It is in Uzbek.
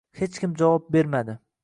Hech kim javob bermadi